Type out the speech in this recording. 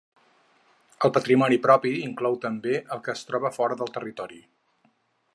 El patrimoni propi inclou també el que es troba fora del territori.